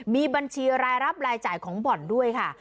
มีบัญชีรายรับรายจ่ายของบ่อนด้วยค่ะ